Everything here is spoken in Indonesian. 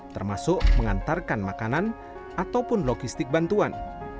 termasuk mengantarkan makanan ataupun logistik bantuan